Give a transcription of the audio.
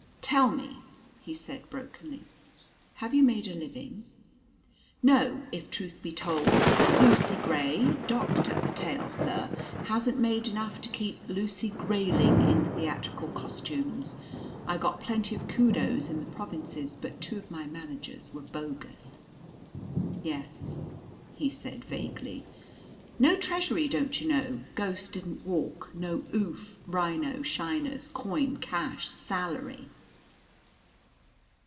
"Tell me," he said brokenly, "have you made a living?" "No. If truth must be told, Lucy Gray docked at the tail, sir hasn't made enough to keep Lucy Grayling in theatrical costumes. I got plenty of kudos in the Provinces, but two of my managers were bogus." "Yes?" he said vaguely. "No treasury, don't you know? Ghost didn't walk. No oof, rhino, shiners, coin, cash, salary!"